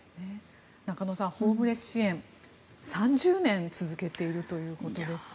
中野さん、ホームレス支援３０年続けているということですが。